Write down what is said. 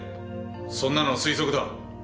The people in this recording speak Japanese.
そんなのは推測だ。